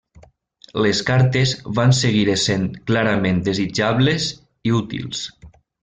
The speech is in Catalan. Les cartes van seguir essent clarament desitjables i útils.